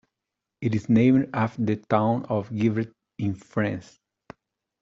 It is named after the town of Givet in France.